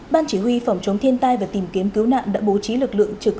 ban chỉ huy phòng chống thiên tai và tìm kiếm cứu nạn đã bố trí lực lượng trực